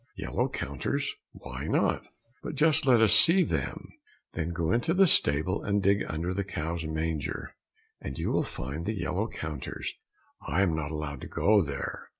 "Yellow counters, why not? But just let us see them." "Then go into the stable and dig under the cow's manger, and you will find the yellow counters. I am not allowed to go there."